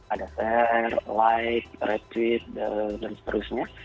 ada share like retweet dan seterusnya